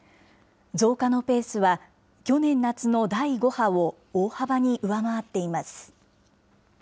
増加のペースは、去年夏の第５波を大幅に上回っています。